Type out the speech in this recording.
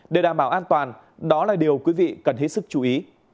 để đảm bảo an toàn đó là điều quý vị cần hết sức chú ý